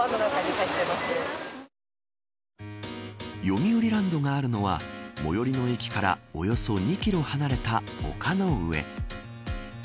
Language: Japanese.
よみうりランドがあるのは最寄の駅からおよそ２キロ離れた丘の上。